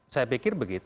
saya pikir begitu